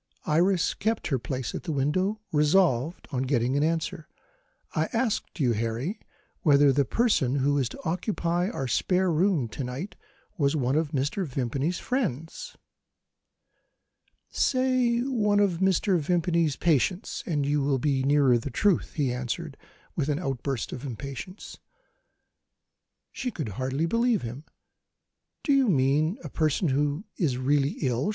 Iris kept her place at the window, resolved on getting an answer. "I asked you, Harry, whether the person who is to occupy our spare bedroom, to night, was one of Mr. Vimpany's friends?" "Say one of Mr. Vimpany's patients and you will be nearer the truth," he answered, with an outburst of impatience. She could hardly believe him. "Do you mean a person who is really ill?"